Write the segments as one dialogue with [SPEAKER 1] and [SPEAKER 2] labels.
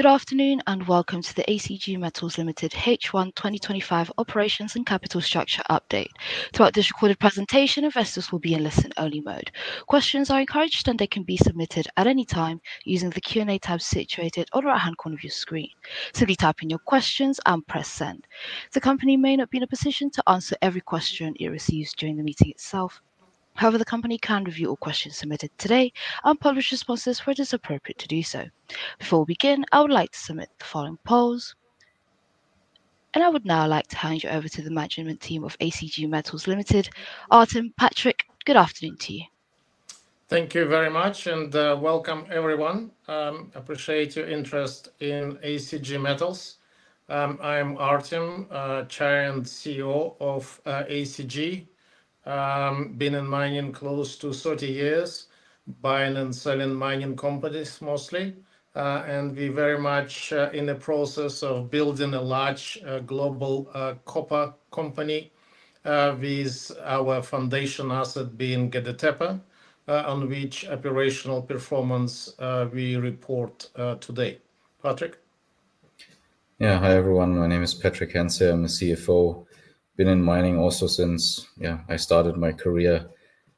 [SPEAKER 1] Good afternoon and welcome to the ACG Metals Limited H1 2025 operations and capital structure update. Throughout this recorded presentation, investors will be in listen-only mode. Questions are encouraged and they can be submitted at any time using the Q&A tab situated on the right-hand corner of your screen. Simply type in your questions and press send. The company may not be in a position to answer every question it receives during the meeting itself. However, the company can review all questions submitted today and publish responses where it is appropriate to do so. Before we begin, I would like to submit the following polls. I would now like to hand you over to the management team of ACG Metals Limited, Artem Patrick. Good afternoon to you.
[SPEAKER 2] Thank you very much and welcome everyone. I appreciate your interest in ACG Metals. I am Artem Patrick, Chair and CEO of ACG Metals Limited. Been in mining close to 30 years, buying and selling mining companies mostly. We are very much in the process of building a large global copper company with our foundation asset being the Gedetepa asset, on which operational performance we report today. Patrick?
[SPEAKER 3] Hi everyone. My name is Patrick Henze. I'm the CFO. I've been in mining also since I started my career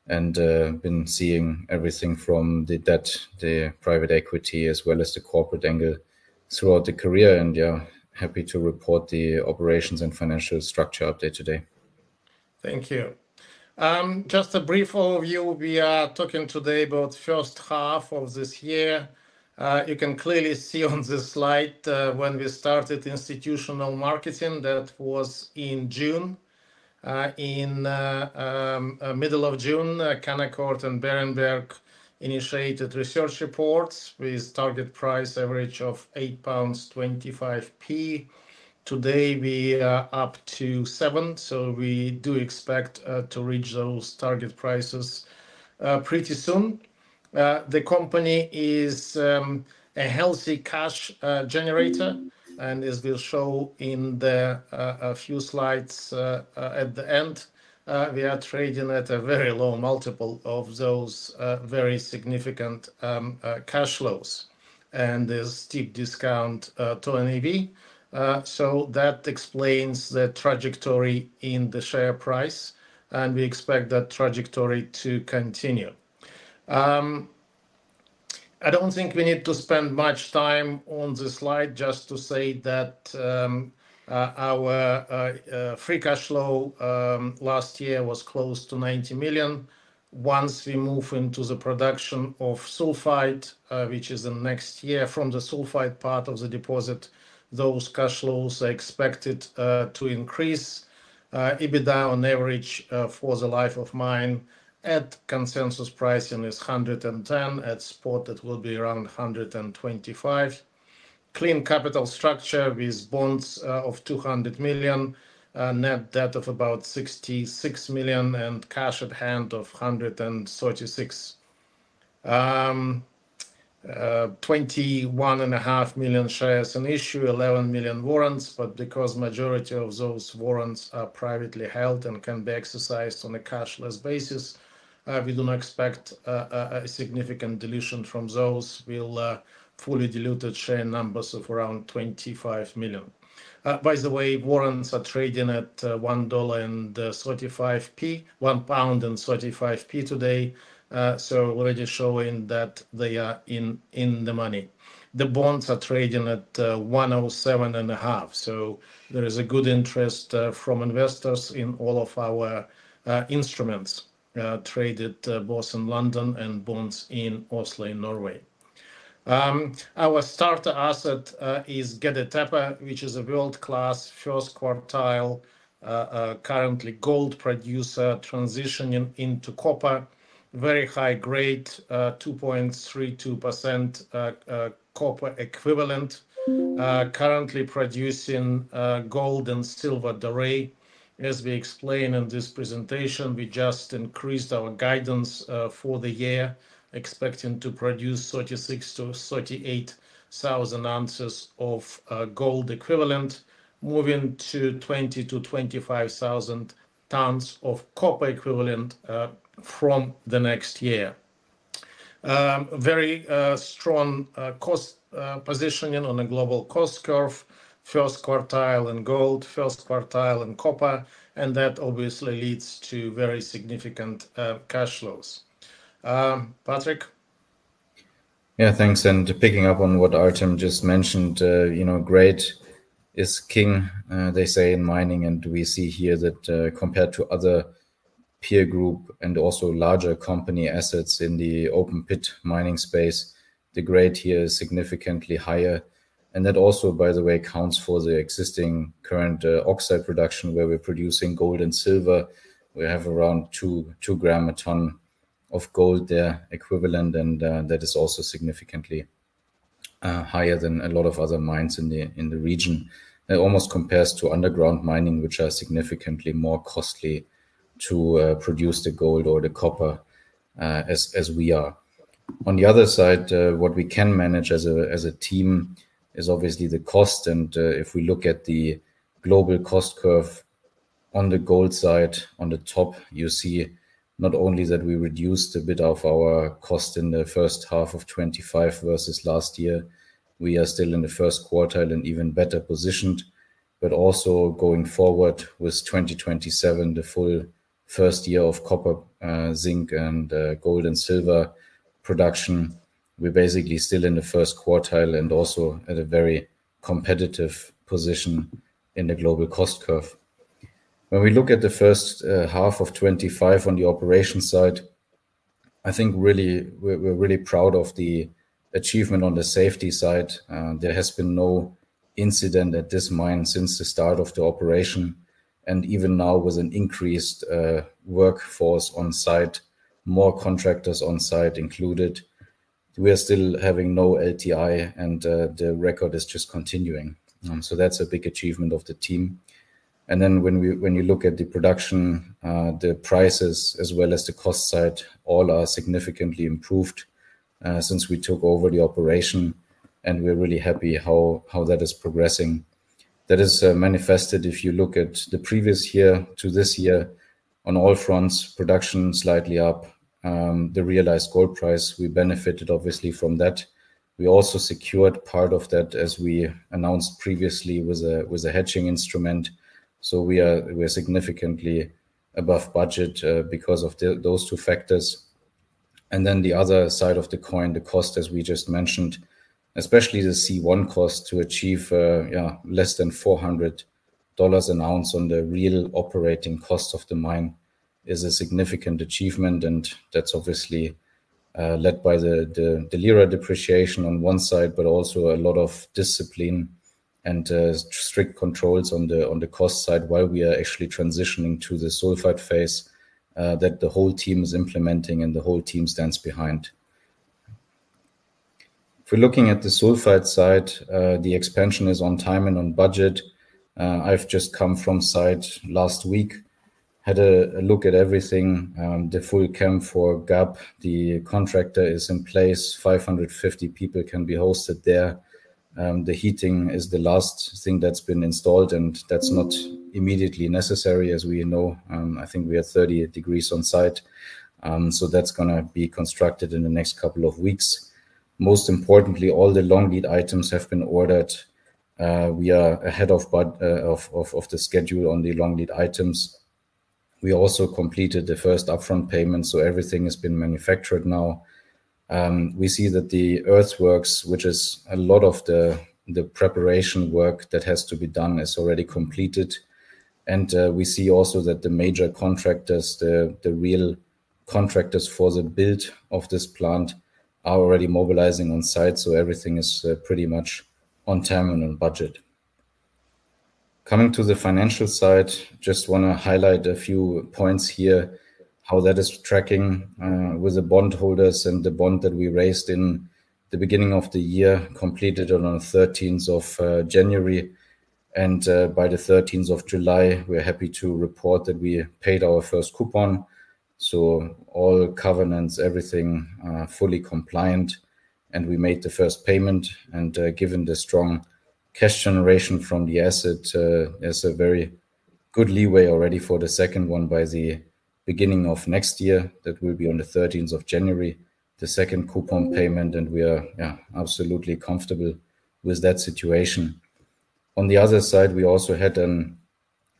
[SPEAKER 3] and been seeing everything from the debt, the private equity, as well as the corporate angle throughout the career. I'm happy to report the operations and financial structure update today.
[SPEAKER 2] Thank you. Just a brief overview, we are talking today about the first half of this year. You can clearly see on this slide when we started institutional marketing that was in June. In the middle of June, Canaccord Genuity and Berenberg initiated research reports with a target price average of 8.25 pounds. Today we are up to 7.00, so we do expect to reach those target prices pretty soon. The company is a healthy cash generator and as we'll show in the few slides at the end, we are trading at a very low multiple of those very significant cash flows and a steep discount to NAV. That explains the trajectory in the share price and we expect that trajectory to continue. I don't think we need to spend much time on this slide just to say that our free cash flow last year was close to 90 million. Once we move into the production of sulphide, which is in next year from the sulphide part of the deposit, those cash flows are expected to increase. EBITDA on average for the life of mine at consensus pricing is 110 million, at spot that will be around 125 million. Clean capital structure with bonds of 200 million, net debt of about 66 million and cash at hand of 136 million. 21.5 million shares in issue, 11 million warrants, but because the majority of those warrants are privately held and can be exercised on a cashless basis, we do not expect a significant dilution from those. We'll fully diluted share numbers of around 25 million. By the way, warrants are trading at GBP 1.35 today, so already showing that they are in the money. The bonds are trading at 107.5, so there is a good interest from investors in all of our instruments traded both in London and bonds in Oslo, Norway. Our starter asset is Gedetepa, which is a world-class first quartile, currently gold producer, transitioning into copper, very high grade, 2.32% copper equivalent, currently producing gold and silver dore. As we explained in this presentation, we just increased our guidance for the year, expecting to produce 36,000-38,000 ounces of gold equivalent, moving to 20,000-25,000 tonnes of copper equivalent from the next year. Very strong cost positioning on a global cost curve, first quartile in gold, first quartile in copper, and that obviously leads to very significant cash flows. Patrick?
[SPEAKER 3] Yeah, thanks. Picking up on what Artem just mentioned, you know, grade is king, they say in mining. We see here that compared to other peer group and also larger company assets in the open pit mining space, the grade here is significantly higher. That also, by the way, counts for the existing current oxide production where we're producing gold and silver. We have around 2 g a ton of gold equivalent, and that is also significantly higher than a lot of other mines in the region. It almost compares to underground mining, which are significantly more costly to produce the gold or the copper as we are. On the other side, what we can manage as a team is obviously the cost. If we look at the global cost curve on the gold side on the top, you see not only that we reduced a bit of our cost in the first half of 2025 versus last year, we are still in the first quartile and even better positioned. Also, going forward with 2027, the full first year of copper, zinc, and gold and silver production, we're basically still in the first quartile and also at a very competitive position in the global cost curve. When we look at the first half of 2025 on the operations side, I think we're really proud of the achievement on the safety side. There has been no incident at this mine since the start of the operation. Even now with an increased workforce on site, more contractors on site included, we are still having no lost-time incidents and the record is just continuing. That's a big achievement of the team. When you look at the production, the prices as well as the cost side, all are significantly improved since we took over the operation. We're really happy how that is progressing. That is manifested if you look at the previous year to this year on all fronts, production slightly up, the realized gold price, we benefited obviously from that. We also secured part of that as we announced previously with a hedging instrument. We are significantly above budget because of those two factors. The other side of the coin, the cost, as we just mentioned, especially the C1 cost to achieve, less than $400 an ounce on the real operating cost of the mine is a significant achievement. That's obviously led by the lira depreciation on one side, but also a lot of discipline and strict controls on the cost side while we are actually transitioning to the sulphide phase that the whole team is implementing and the whole team stands behind. If we're looking at the sulphide side, the expansion is on time and on budget. I've just come from site last week, had a look at everything, the full camp for GAP İnşaat, the contractor is in place, 550 people can be hosted there. The heating is the last thing that's been installed and that's not immediately necessary as we know. I think we had 38 degrees on site. That's going to be constructed in the next couple of weeks. Most importantly, all the long lead items have been ordered. We are ahead of the schedule on the long lead items. We also completed the first upfront payment, so everything has been manufactured now. We see that the earthworks, which is a lot of the preparation work that has to be done, is already completed. We see also that the major contractors, the real contractors for the build of this plant, are already mobilizing on site. Everything is pretty much on time and on budget. Coming to the financial side, just want to highlight a few points here, how that is tracking with the bondholders and the bond that we raised in the beginning of the year, completed on January 13. By July 13, we're happy to report that we paid our first coupon. All covenants, everything fully compliant, and we made the first payment. Given the strong cash generation from the asset, there's a very good leeway already for the second one by the beginning of next year. That will be on January 13, the second coupon payment, and we are absolutely comfortable with that situation. On the other side, we also had the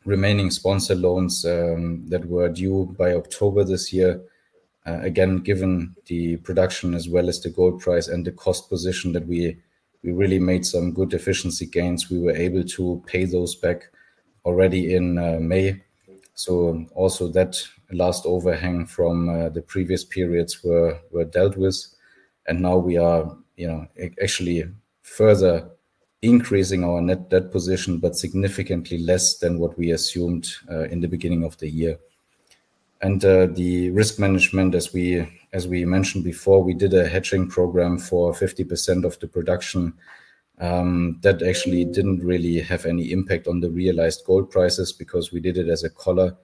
[SPEAKER 3] remaining sponsor loans that were due by October this year. Again, given the production as well as the gold price and the cost position that we really made some good efficiency gains, we were able to pay those back already in May. That last overhang from the previous periods was dealt with. Now we are actually further increasing our net debt position, but significantly less than what we assumed in the beginning of the year. The risk management, as we mentioned before, we did a hedging program for 50% of the production. That actually didn't really have any impact on the realized gold prices because we did it as a collar.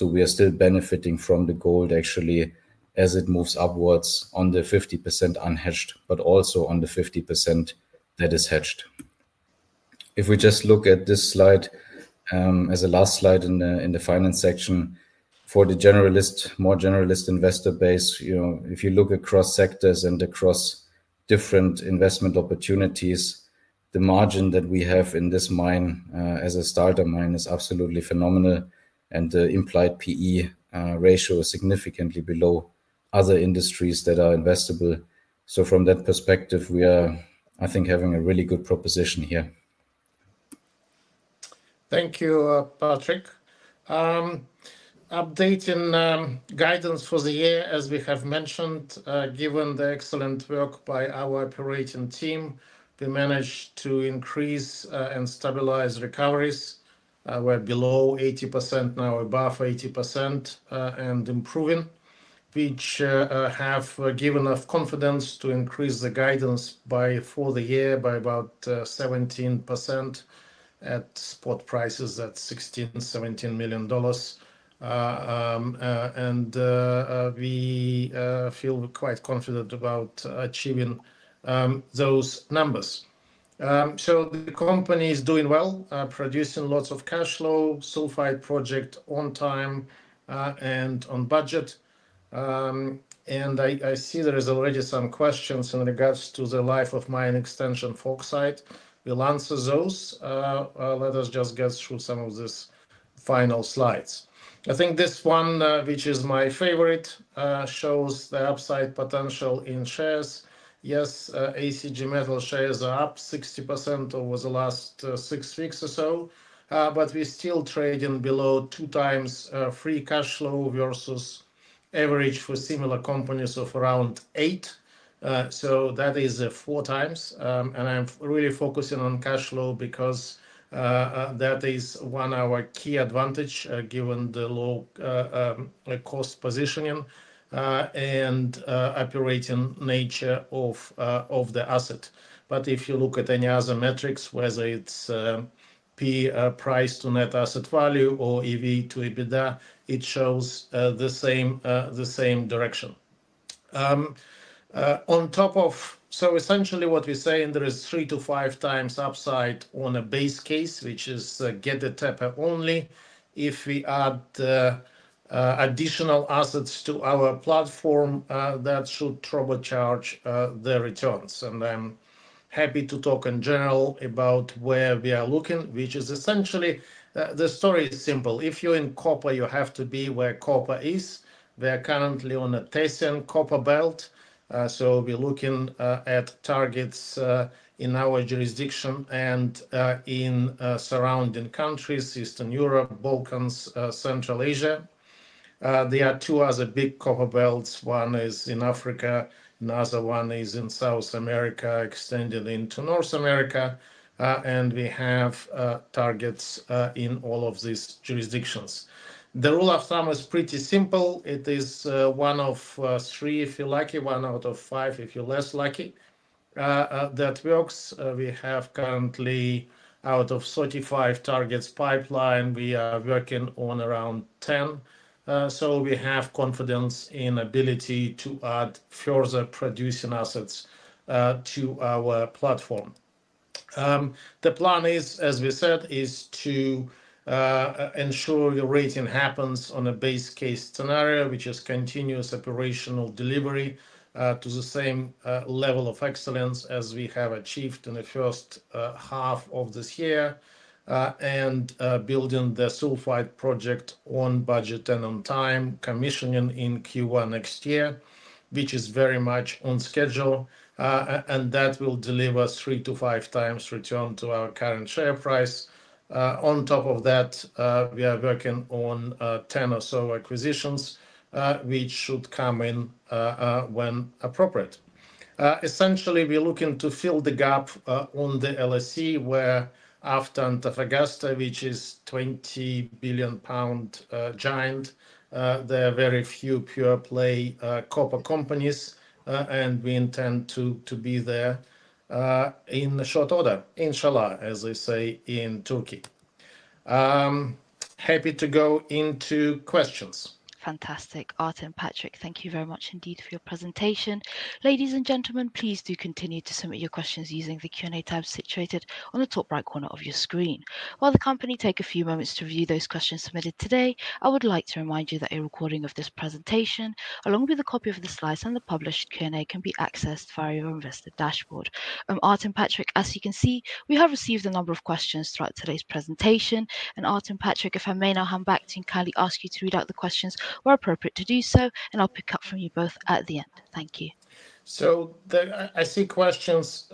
[SPEAKER 3] We are still benefiting from the gold actually as it moves upwards on the 50% unhedged, but also on the 50% that is hedged. If we just look at this slide as a last slide in the finance section for the generalist, more generalist investor base, you know, if you look across sectors and across different investment opportunities, the margin that we have in this mine as a starter mine is absolutely phenomenal. The implied PE ratio is significantly below other industries that are investable. From that perspective, we are, I think, having a really good proposition here.
[SPEAKER 2] Thank you, Patrick. Update in guidance for the year, as we have mentioned, given the excellent work by our operating team, we managed to increase and stabilize recoveries. We're below 80% now, above 80%, and improving, which has given us confidence to increase the guidance for the year by about 17% at spot prices at $16 million and $17 million. We feel quite confident about achieving those numbers. The company is doing well, producing lots of cash flow, sulphide project on time and on budget. I see there are already some questions in regards to the life of mine extension folks' side. We'll answer those. Let us just get through some of these final slides. I think this one, which is my favorite, shows the upside potential in shares. Yes, ACG Metals shares are up 60% over the last six weeks or so, but we're still trading below two times free cash flow versus average for similar companies of around eight. That is four times. I'm really focusing on cash flow because that is one of our key advantages given the low cost positioning and operating nature of the asset. If you look at any other metrics, whether it's PE, price to net asset value, or EV to EBITDA, it shows the same direction. On top of, so essentially what we say in there is three to five times upside on a base case, which is Gedetepa only. If we add additional assets to our platform, that should troubleshoot the returns. I'm happy to talk in general about where we are looking, which is essentially, the story is simple. If you're in copper, you have to be where copper is. We are currently on a Tethyan Copper Belt. We're looking at targets in our jurisdiction and in surrounding countries, Eastern Europe, Balkans, Central Asia. There are two other big copper belts. One is in Africa, another one is in South America, extending into North America. We have targets in all of these jurisdictions. The rule of thumb is pretty simple. It is one of three, if you're lucky, one out of five, if you're less lucky. That works. We have currently, out of 35 targets pipeline, we are working on around 10. We have confidence in the ability to add further producing assets to our platform. The plan is, as we said, is to ensure the rating happens on a base case scenario, which is continuous operational delivery to the same level of excellence as we have achieved in the first half of this year. Building the sulphide project on budget and on time, commissioning in Q1 next year, which is very much on schedule. That will deliver three to five times return to our current share price. On top of that, we are working on 10 or so acquisitions, which should come in when appropriate. Essentially, we're looking to fill the gap on the London Stock Exchange, where after Antofagasta, which is a 20 billion pound giant, there are very few pure play copper companies. We intend to be there in a short order, inshallah, as they say in Turkey. Happy to go into questions.
[SPEAKER 1] Fantastic. Artem Patrick, thank you very much indeed for your presentation. Ladies and gentlemen, please do continue to submit your questions using the Q&A tab situated on the top right corner of your screen. While the company takes a few moments to review those questions submitted today, I would like to remind you that a recording of this presentation, along with a copy of the slides and the published Q&A, can be accessed via your investor dashboard. I'm Artem Patrick. As you can see, we have received a number of questions throughout today's presentation. Artem Patrick, if I may now hand back to you and kindly ask you to read out the questions where appropriate to do so, and I'll pick up from you both at the end. Thank you.
[SPEAKER 2] I see questions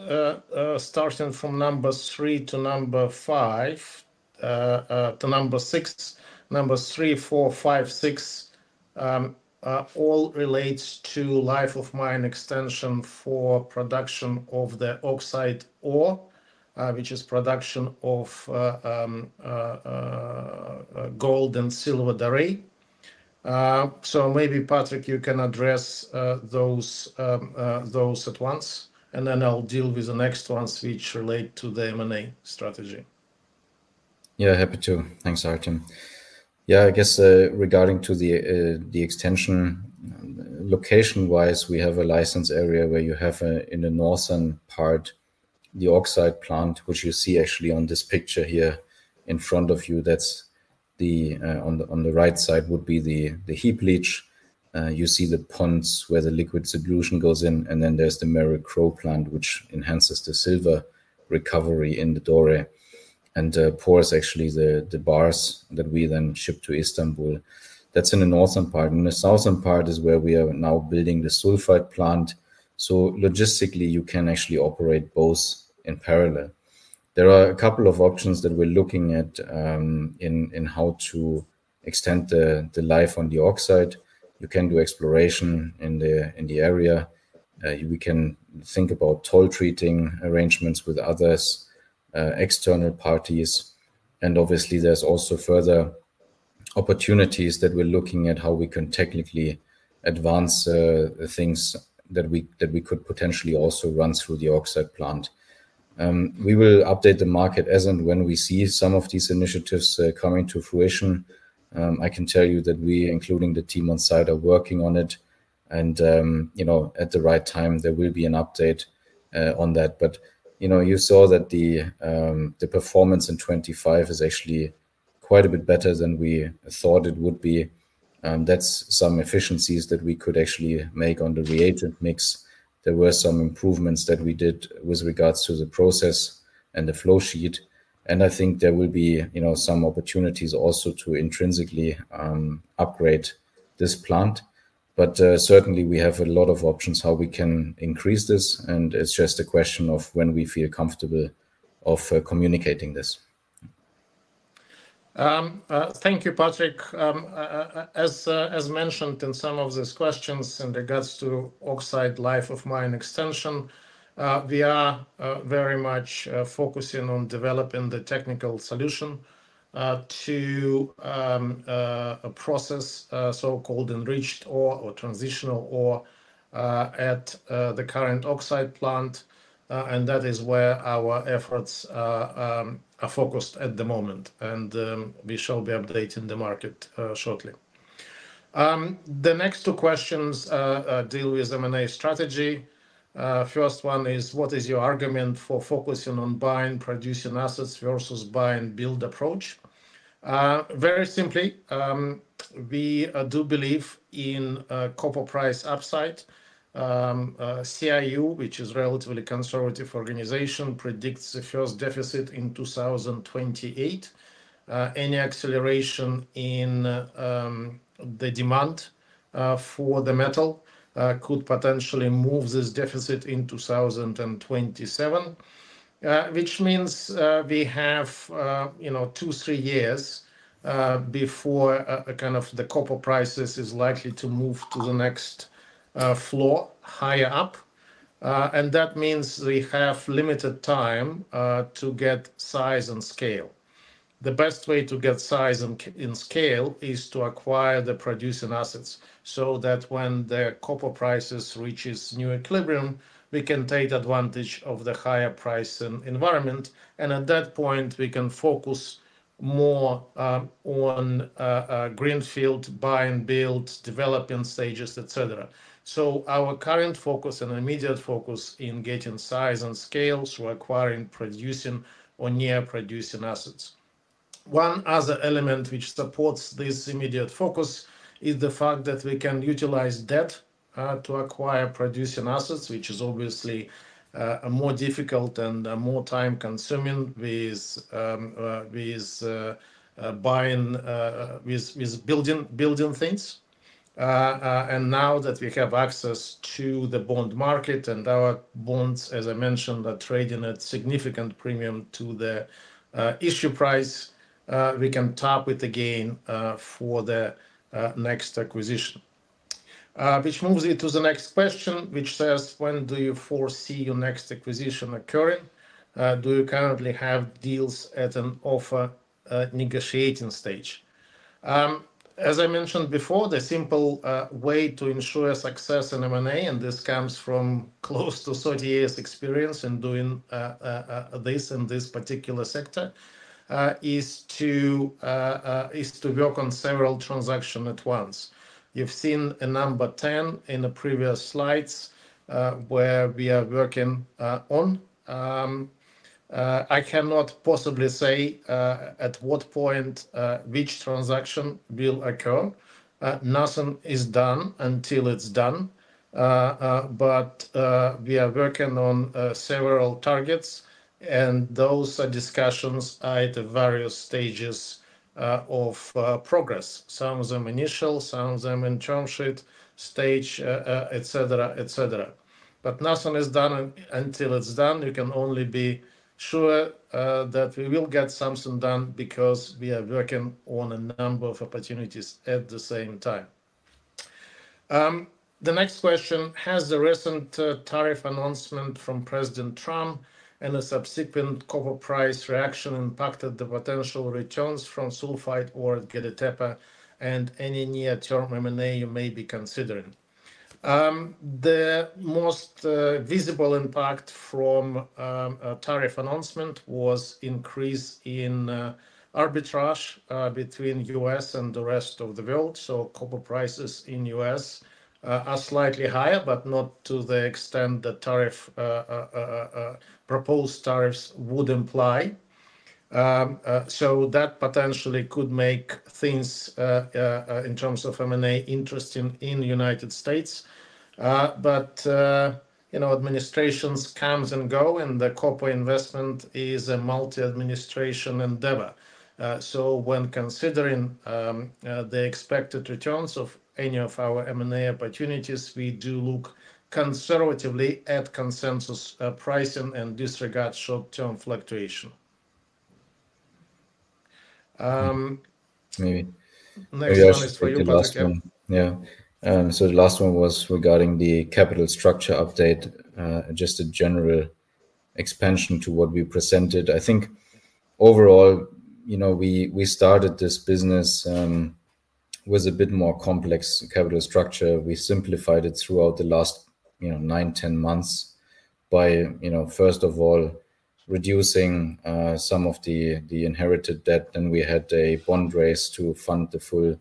[SPEAKER 2] starting from number three to number five, to number six. Number three, four, five, six all relate to life of mine extension for production of the oxide ore, which is production of gold and silver dore. Maybe, Patrick, you can address those at once, and then I'll deal with the next ones which relate to the M&A strategy.
[SPEAKER 3] Yeah, happy to. Thanks, Artem. I guess regarding the extension location-wise, we have a licensed area where you have in the northern part the oxide plant, which you see actually on this picture here in front of you. That's the, on the right side would be the heap leach. You see the ponds where the liquid solution goes in, and then there's the Merrill-Crowe plant, which enhances the silver recovery in the dore and pours actually the bars that we then ship to Istanbul. That's in the northern part. In the southern part is where we are now building the sulphide plant. Logistically, you can actually operate both in parallel. There are a couple of options that we're looking at in how to extend the life on the oxide. You can do exploration in the area. We can think about toll treating arrangements with others, external parties. Obviously, there's also further opportunities that we're looking at how we can technically advance the things that we could potentially also run through the oxide plant. We will update the market as and when we see some of these initiatives coming to fruition. I can tell you that we, including the team on site, are working on it. At the right time, there will be an update on that. You saw that the performance in 2025 is actually quite a bit better than we thought it would be. That's some efficiencies that we could actually make on the reagent mix. There were some improvements that we did with regards to the process and the flow sheet. I think there will be some opportunities also to intrinsically upgrade this plant. Certainly, we have a lot of options how we can increase this. It's just a question of when we feel comfortable of communicating this.
[SPEAKER 2] Thank you, Patrick. As mentioned in some of these questions in regards to oxide life of mine extension, we are very much focusing on developing the technical solution to process so-called enriched ore or transitional ore at the current oxide plant. That is where our efforts are focused at the moment. We shall be updating the market shortly. The next two questions deal with M&A strategy. The first one is, what is your argument for focusing on buying producing assets versus buying build approach? Very simply, we do believe in copper price upside. CRU, which is a relatively conservative organization, predicts the first deficit in 2028. Any acceleration in the demand for the metal could potentially move this deficit to 2027, which means we have two, three years before the copper prices are likely to move to the next floor higher up. That means we have limited time to get size and scale. The best way to get size and scale is to acquire the producing assets so that when the copper prices reach new equilibrium, we can take advantage of the higher price environment. At that point, we can focus more on greenfield buy and build, developing stages, etc. Our current focus and immediate focus is in getting size and scale through acquiring producing or near producing assets. One other element which supports this immediate focus is the fact that we can utilize debt to acquire producing assets, which is obviously more difficult and more time-consuming with building things. Now that we have access to the bond market and our bonds, as I mentioned, are trading at a significant premium to the issue price, we can tap it again for the next acquisition, which moves you to the next question, which says, when do you foresee your next acquisition occurring? Do you currently have deals at an offer negotiating stage? As I mentioned before, the simple way to ensure success in M&A, and this comes from close to 30 years experience in doing this in this particular sector, is to work on several transactions at once. You've seen a number 10 in the previous slides where we are working on. I cannot possibly say at what point which transaction will occur. Nothing is done until it's done. We are working on several targets, and those are discussions at various stages of progress. Some of them initial, some of them in term sheet stage, etc., etc. Nothing is done until it's done. You can only be sure that we will get something done because we are working on a number of opportunities at the same time. The next question, has the recent tariff announcement from President Trump and a subsequent copper price reaction impacted the potential returns from sulphide or Gedetepa and any near-term M&A you may be considering? The most visible impact from a tariff announcement was an increase in arbitrage between the U.S. and the rest of the world. Copper prices in the U.S. are slightly higher, but not to the extent that proposed tariffs would imply. That potentially could make things in terms of M&A interesting in the United States. Administrations come and go, and the copper investment is a multi-administration endeavor. When considering the expected returns of any of our M&A opportunities, we do look conservatively at consensus pricing and disregard short-term fluctuation.
[SPEAKER 3] Maybe.
[SPEAKER 2] Next one is for you, Patrick.
[SPEAKER 3] Yeah. The last one was regarding the capital structure update, just a general expansion to what we presented. I think overall, we started this business with a bit more complex capital structure. We simplified it throughout the last nine, ten months by, first of all, reducing some of the inherited debt. We had a bond raise to fund the full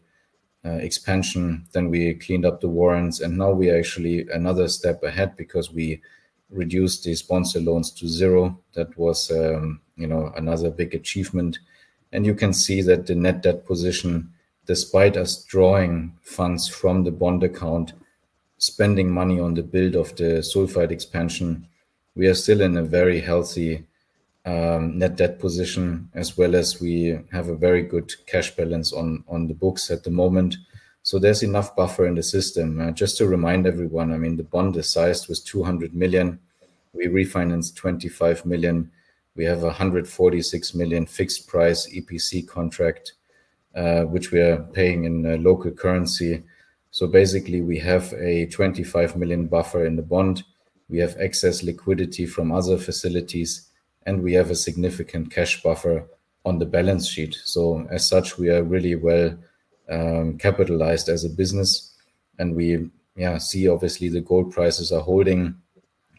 [SPEAKER 3] expansion. We cleaned up the warrants. Now we are actually another step ahead because we reduced these sponsor loans to zero. That was another big achievement. You can see that the net debt position, despite us drawing funds from the bond account, spending money on the build of the sulphide expansion, we are still in a very healthy net debt position, as well as we have a very good cash balance on the books at the moment. There is enough buffer in the system. Just to remind everyone, the bond is sized with $200 million. We refinanced $25 million. We have a $146 million fixed price EPC contract, which we are paying in local currency. Basically, we have a $25 million buffer in the bond. We have excess liquidity from other facilities, and we have a significant cash buffer on the balance sheet. As such, we are really well capitalized as a business. We see obviously the gold prices are holding.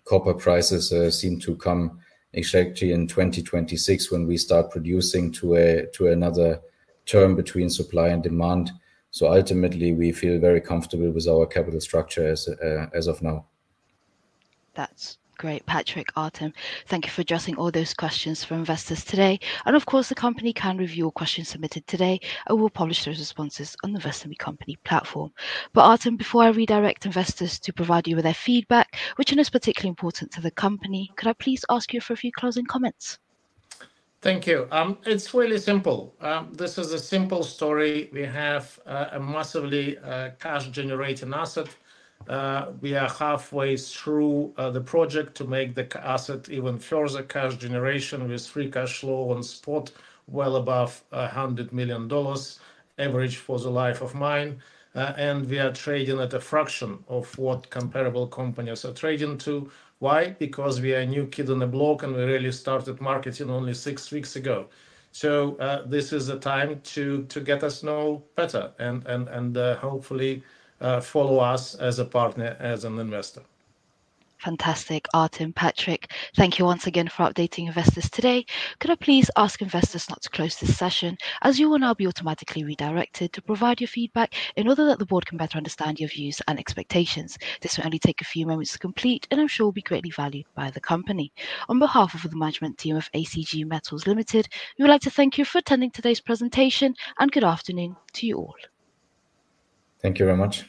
[SPEAKER 3] Copper prices seem to come exactly in 2026 when we start producing to another term between supply and demand. Ultimately, we feel very comfortable with our capital structure as of now.
[SPEAKER 1] That's great, Patrick. Artem, thank you for addressing all those questions for investors today. The company can review your questions submitted today, and we'll publish those responses on the Vesami company platform. Artem, before I redirect investors to provide you with their feedback, which is particularly important to the company, could I please ask you for a few closing comments?
[SPEAKER 2] Thank you. It's really simple. This is a simple story. We have a massively cash-generating asset. We are halfway through the project to make the asset even further cash generation with free cash flow on spot well above $100 million, average for the life of mine. We are trading at a fraction of what comparable companies are trading to. Why? Because we are a new kid on the block, and we really started marketing only six weeks ago. This is a time to get us to know better and hopefully follow us as a partner, as an investor.
[SPEAKER 1] Fantastic, Artem Patrick. Thank you once again for updating investors today. Could I please ask investors not to close this session? As you will now be automatically redirected to provide your feedback in order that the board can better understand your views and expectations. This will only take a few moments to complete, and I'm sure it will be greatly valued by the company. On behalf of the management team of ACG Metals Limited, we would like to thank you for attending today's presentation, and good afternoon to you all.
[SPEAKER 3] Thank you very much.